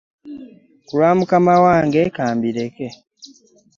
Ku lwa mukama wange ka mbireke.